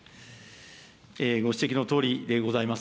ご指摘のとおりでございます。